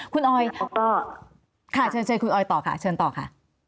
คุณออยเชิญต่อค่ะ